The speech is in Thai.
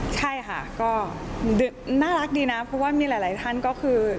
ใช่ค่ะก็น่ารักดีนะเพราะว่ามีหลายท่านก็คือ